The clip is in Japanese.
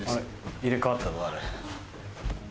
入れ替わったぞあれ。